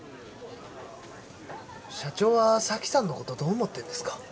社長は咲さんのことどう思ってんですか？